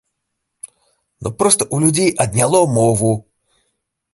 Ну, проста ў людзей адняло мову.